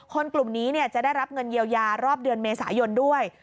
กลุ่มนี้จะได้รับเงินเยียวยารอบเดือนเมษายนด้วย